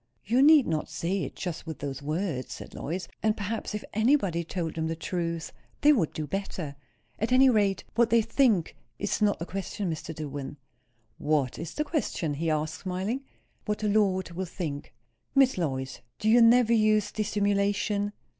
"You need not say it just with those words," said Lois. "And perhaps, if anybody told them the truth, they would do better. At any rate, what they think is not the question, Mr. Dillwyn." "What is the question?" he asked, smiling. "What the Lord will think." "Miss Lois, do you never use dissimulation?"